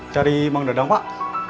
cari mang dadang pak